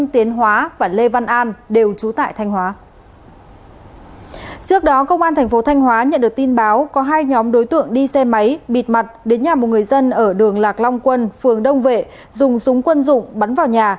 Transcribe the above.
thành phố thanh hóa nhận được tin báo có hai nhóm đối tượng đi xe máy bịt mặt đến nhà một người dân ở đường lạc long quân phường đông vệ dùng súng quân dụng bắn vào nhà